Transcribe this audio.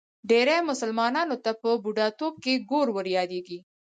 ډېری مسلمانانو ته په بوډاتوب کې ګور وریادېږي.